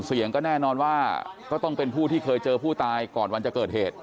เสี่ยงก็แน่นอนว่าก็ต้องเป็นผู้ที่เคยเจอผู้ตายก่อนวันจะเกิดเหตุ